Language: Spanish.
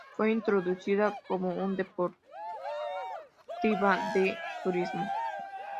Fue introducida como una deportiva de turismo.